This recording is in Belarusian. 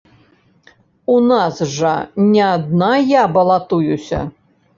У нас жа не адна я балатуюся.